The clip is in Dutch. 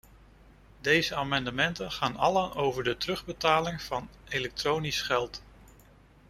Deze amendementen gaan allen over de terugbetaling van elektronisch geld.